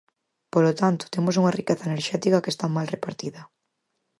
Polo tanto, temos unha riqueza enerxética que está mal repartida.